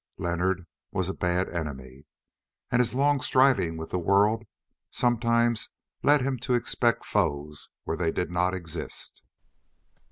Leonard was a bad enemy, and his long striving with the world sometimes led him to expect foes where they did not exist.